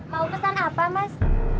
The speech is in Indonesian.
mau pesan apa mas